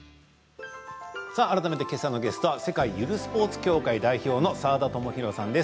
改めてけさのゲストは世界ゆるスポーツ協会代表の澤田智洋さんです。